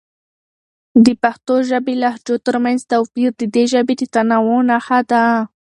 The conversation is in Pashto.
د پښتو ژبې لهجو ترمنځ توپیر د دې ژبې د تنوع نښه ده.